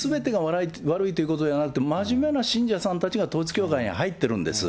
だからすべてが悪いということではなくて、真面目な信者さんたちが統一教会に入ってるんです。